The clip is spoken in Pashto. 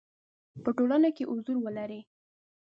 په ټولنه کې حضور ولري.